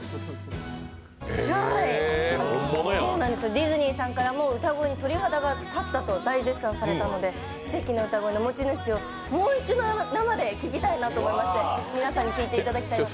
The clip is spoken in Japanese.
ディズニーさんからも歌声に鳥肌が立ったと大絶賛されたので奇跡の歌声の持ち主をもう一度生で聴きたいなと思いまして、皆さんに聴いていただきたいなと。